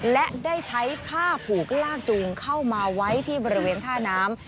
และได้ใช้ผ้าผูกลากจูงเข้ามาไว้ที่บริเวณท่าน้ำ